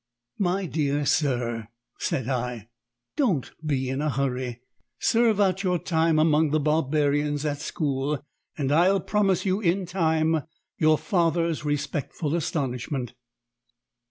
"My dear sir," said I, "don't be in a hurry. Serve out your time among the barbarians at school, and I'll promise you in time your father's respectful astonishment."